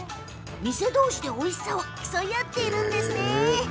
店同士で、おいしさを競い合っているんですね。